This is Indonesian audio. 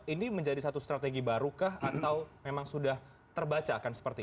ini menjadi satu strategi baru kah atau memang sudah terbacakan seperti ini